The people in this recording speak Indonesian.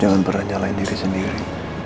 jangan pernah nyalain diri sendiri